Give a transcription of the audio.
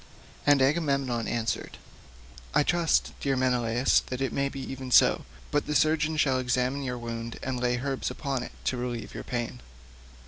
And Agamemnon answered, "I trust, dear Menelaus, that it may be even so, but the surgeon shall examine your wound and lay herbs upon it to relieve your pain."